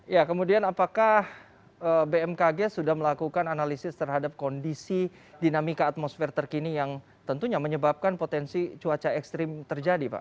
ya kemudian apakah bmkg sudah melakukan analisis terhadap kondisi dinamika atmosfer terkini yang tentunya menyebabkan potensi cuaca ekstrim terjadi pak